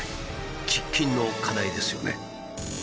喫緊の課題ですよね。